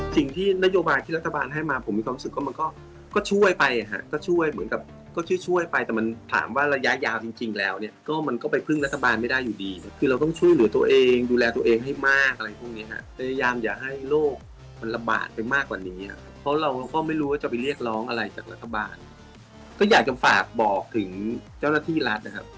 สิ่งที่นโยบาลที่รัฐบาลให้มาผมมีความรู้สึกว่ามันก็ก็ช่วยไปอ่ะฮะก็ช่วยเหมือนกับก็ช่วยไปแต่มันถามว่าระยะยาวจริงแล้วเนี่ยก็มันก็ไปพึ่งรัฐบาลไม่ได้อยู่ดีคือเราต้องช่วยหลัวตัวเองดูแลตัวเองให้มากอะไรพวกนี้ฮะพยายามอย่าให้โรคมันระบาดไปมากกว่านี้เพราะเราก็ไม่รู้ว่าจะไปเรียกร้องอะไรจากรั